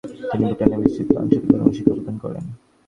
তিনি ভূটানের বিস্তীর্ণ অঞ্চলে ধর্ম শিক্ষাপ্রদান করেন।